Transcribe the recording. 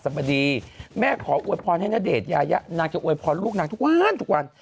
บดีแม่ขออวยพรให้ณเดชน์ยายะนางจะอวยพรลูกนางทุกวันทุกวัน